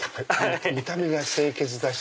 見た目が清潔だし。